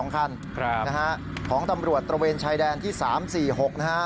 ๒คันนะฮะของตำรวจตระเวนชายแดนที่๓๔๖นะฮะ